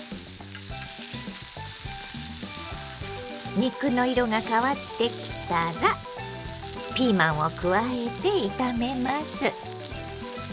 肉の色が変わってきたらピーマンを加えて炒めます。